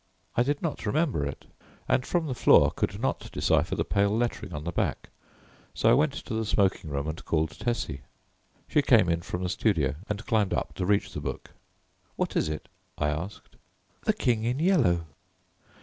I did not remember it, and from the floor could not decipher the pale lettering on the back, so I went to the smoking room and called Tessie. She came in from the studio and climbed up to reach the book. "What is it?" I asked. "_The King in Yellow.